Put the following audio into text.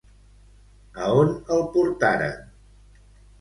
A on el portaren?